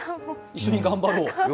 一緒に頑張ろう。